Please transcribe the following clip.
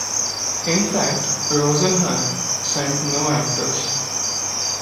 In fact, Rosenhan sent no actors.